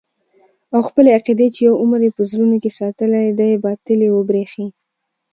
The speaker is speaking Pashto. او خپلې عقيدې چې يو عمر يې په زړونو کښې ساتلې دي باطلې وبريښي.